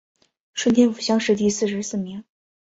顺天府乡试第四十四名。